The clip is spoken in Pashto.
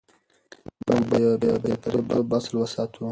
موږ باید د بې پرېتوب اصل وساتو.